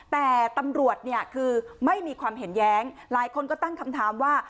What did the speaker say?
แต่ตำรวจเนี่ยคือไม่มีความเห็นแย้งหลายคนก็ตั้งคำถามว่า